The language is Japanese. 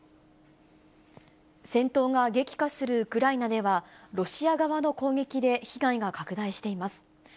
戦闘が激化するウクライナでは、ロシア側の攻撃で被害が拡大しています。